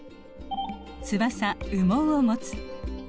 「翼・羽毛をもつ」。